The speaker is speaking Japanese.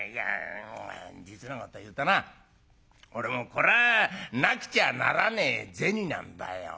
実のこと言うとな俺もこらぁなくちゃならねえ銭なんだよ。